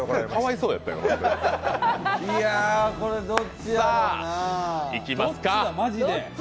さあ、いきますか。